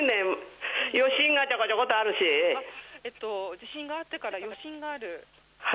地震があってから余震もある？